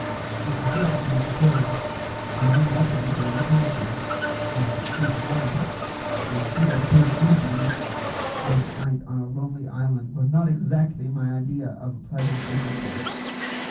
It was well to be prepared. I knew nothing of their intentions, and two to one (when the two are big Indians!) late at night on a lonely island was not exactly my idea of pleasant intercourse.